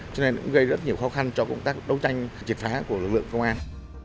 cho nên cũng gây rất nhiều khó khăn cho công tác đấu tranh triệt phá của lực lượng công an